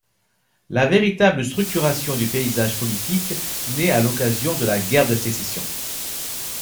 La véritable structuration du paysage politique nait à l'occasion de la guerre de Sécession.